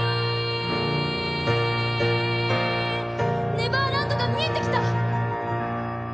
「ネバーランドが見えてきた！」。